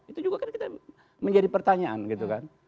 itu juga kan kita menjadi pertanyaan gitu kan